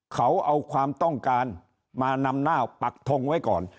เขาเอาความต้องการมานำหน้าปักทงไว้ก่อน